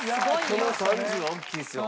この３０は大きいですよ。